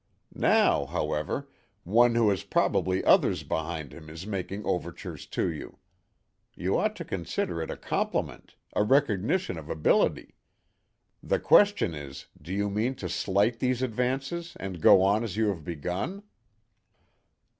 Now, however, one who has probably others behind him is making overtures to you. You ought to consider it a compliment; a recognition of ability. The question is Do you mean to slight these advances and go on as you have begun?"